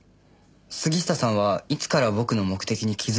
杉下さんはいつから僕の目的に気づいてたんですか？